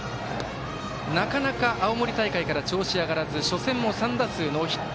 なかなか青森大会から調子上がらず初戦も３打数ノーヒット。